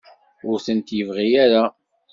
Ur tent-yebɣi ara?